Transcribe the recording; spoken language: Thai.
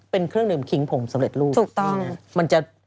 เป็นเครื่องดื่มขิงผมสำเร็จรูปถูกต้องมันจะ